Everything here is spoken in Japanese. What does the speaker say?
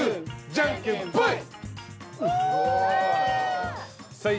じゃんけんぽい。